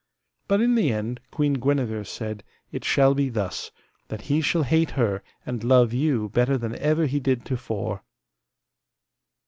But in the end, Queen Guenever said, it shall be thus, that he shall hate her, and love you better than ever he did to fore.